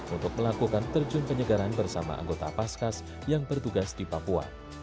untuk melakukan terjun penyegaran bersama anggota paskas yang bertugas di papua